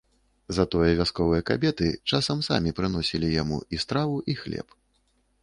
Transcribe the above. Затое вясковыя кабеты часам самі прыносілі яму і страву, і хлеб.